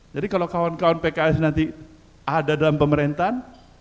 jadi kalau kawan kawan pks nanti ada dalam pemerintahan